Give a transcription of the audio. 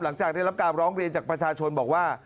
หลังจากได้รับการร้องเรียนจากประชาชนบอกว่า